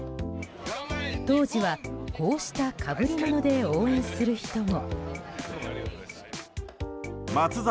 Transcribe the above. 当時はこうしたかぶりもので応援する人も。